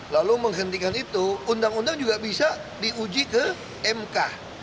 lalu menghentikan itu undang undang juga bisa diuji ke mk